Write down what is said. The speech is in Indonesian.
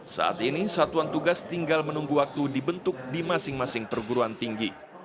saat ini satuan tugas tinggal menunggu waktu dibentuk di masing masing perguruan tinggi